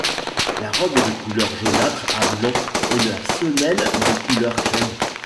La robe est de couleur jaunâtre à blanc et la semelle de couleur crème.